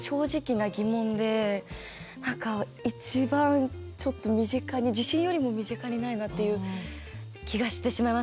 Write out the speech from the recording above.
何か一番ちょっと身近に地震よりも身近にないなっていう気がしてしまいますね